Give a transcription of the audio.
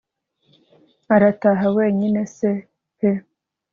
arataha wenyine se pe